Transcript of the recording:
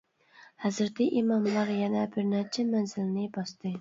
ھەزرىتى ئىماملار يەنە بىرنەچچە مەنزىلنى باستى.